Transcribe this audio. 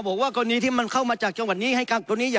บอกว่ากรณีที่มันเข้ามาจากจังหวัดนี้ให้กักตัวนี้